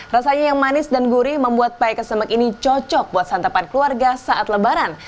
rasanya yang manis dan gurih membuat pai kesembek ini cocok buat santapan keluarga saat lebaran